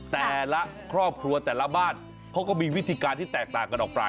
แต่ละครอบครัวแต่ละบ้านเขาก็มีวิธีการที่แตกต่างกันออกไป